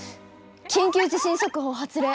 緊急地震速報発令！